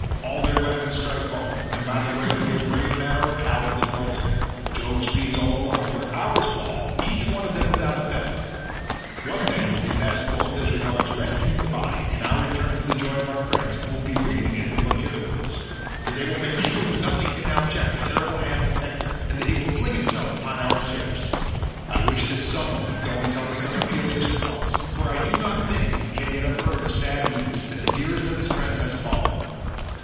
All their weapons strike home; no matter whether it be a brave man or a coward that hurls them, Jove speeds all alike, whereas ours fall each one of them without effect. What, then, will be best both as regards rescuing the body, and our return to the joy of our friends who will be grieving as they look hitherwards; for they will make sure that nothing can now check the terrible hands of Hector, and that he will fling himself upon our ships. I wish that some one would go and tell the son of Peleus at once, for I do not think he can have yet heard the sad news that the dearest of his friends has fallen.